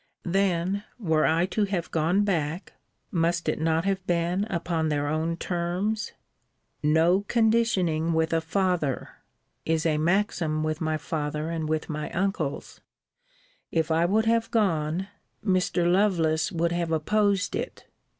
Then were I to have gone back, must it not have been upon their own terms? No conditioning with a father! is a maxim with my father, and with my uncles. If I would have gone, Mr. Lovelace would have opposed it.